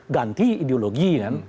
ganti ideologi kan